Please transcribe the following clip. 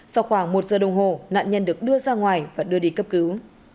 sau khoảng một giờ đồng hồ nạn nhân được đưa ra ngoài và đưa đi cấp cứu